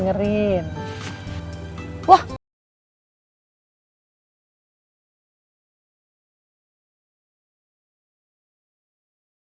aku rekam dia